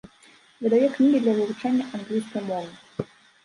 Выдае кнігі для вывучэння англійскай мовы.